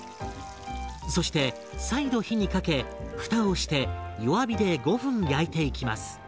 そして再度火にかけ蓋をして弱火で５分焼いていきます。